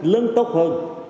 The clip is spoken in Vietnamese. lớn tốt hơn